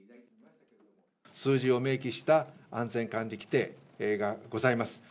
数字を明記した安全管理規程がございます。